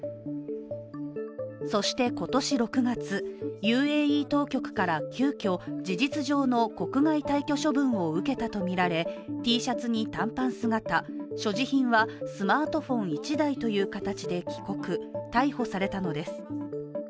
そして今年６月、ＵＡＥ当局から急きょ事実上の国外退去処分を受けたとみられＴシャツに短パン姿、所持品はスマートフォン１台という形で帰国逮捕されたのです。